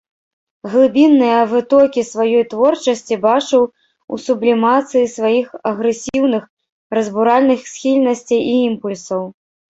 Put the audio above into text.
Глыбінныя вытокі сваёй творчасці бачыў у сублімацыі сваіх агрэсіўных, разбуральных схільнасцей і імпульсаў.